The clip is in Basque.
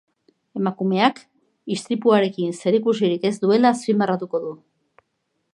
Emakumeak istripuarekin zerikusirik ez duela azpimarratuko du.